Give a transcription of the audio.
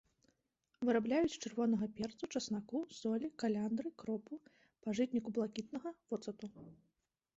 Вырабляюць з чырвонага перцу, часнаку, солі, каляндры, кропу, пажытніку блакітнага, воцату.